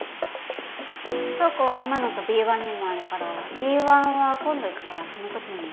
倉庫は今のとＢ１にもあるからＢ１は今度行くからその時にね。